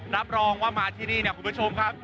รับรองว่ามาที่นี่เนี่ยคุณผู้ชมครับ